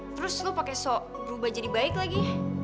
terus lo pake sok berubah jadi baik lagi